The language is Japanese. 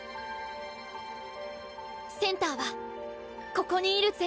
センターはここにいる全員。